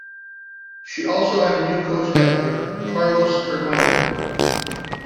She also had a new coach that year, Carlos Kirmayr.